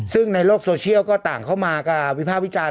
ซึ่งในโลกโซเชียลก็ต่างเข้ามากับวิภาควิจารณ